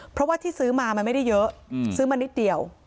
เพราะว่าที่ซื้อมามันไม่ได้เยอะซื้อมานิดเดียว